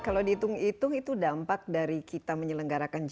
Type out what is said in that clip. kalau dihitung hitung itu dampak dari kita menyelenggarakan g dua puluh